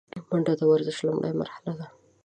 منډه د ورزش لومړۍ مرحله ده